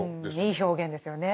いい表現ですよね。